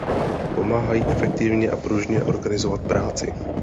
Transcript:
Pomáhají efektivně a pružně organizovat práci.